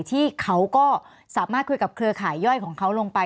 ที่เขาก็สามารถคุยกับเครือข่ายย่อยของเขาลงไป